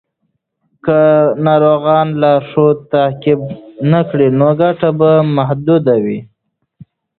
که ناروغان لارښود تعقیب نه کړي، ګټه به محدوده وي.